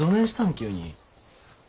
急に。